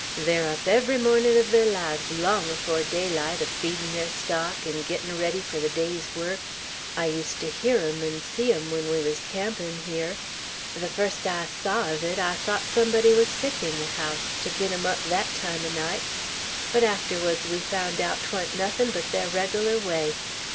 They're up every mornin' uv thar lives long afore daylight, a feedin' their stock, an' gittin' ready fur the day's work. I used ter hear 'em 'n' see 'em, when we wuz campin' here. The fust I saw uv it, I thought somebody wuz sick in the house, to git 'em up thet time o' night; but arterwards we found out 't wan't nothin' but thar reggerlar way.